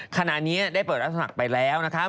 ขณะนี้ได้เปิดรับสมัครไปแล้วนะครับ